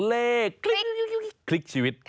เลขชีวิต